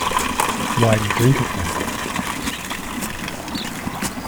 Why do you drink it, then?